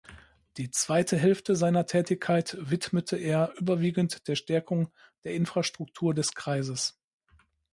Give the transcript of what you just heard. Die zweite Hälfte seiner Tätigkeit widmete er überwiegend der Stärkung der Infrastruktur des Kreises.